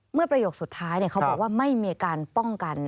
ประโยคสุดท้ายเขาบอกว่าไม่มีการป้องกัน